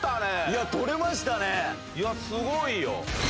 いやすごいよ。